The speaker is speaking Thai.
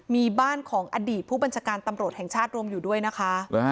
มีบ้านของอดีตผู้บัญชาการตำรวจแห่งชาติรวมอยู่ด้วยนะคะ